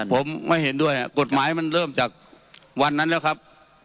ผมไม่เห็นด้วยกฎหมายมันเริ่มจากวันนั้นแล้วครับ